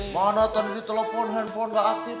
mana tadi telfon handphone ga aktif